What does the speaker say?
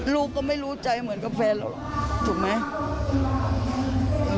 ลูกก็ไม่รู้ใจเหมือนกับแฟนเราถูกไหม